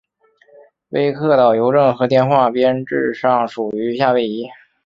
威克岛邮政和电话编制上属于夏威夷。